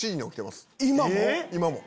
今も？